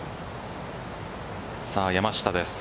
さあ、山下です。